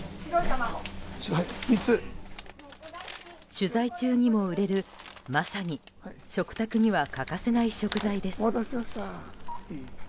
取材中にも売れる、まさに食卓には欠かせない食材です。